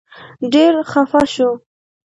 ډېر خپه شو.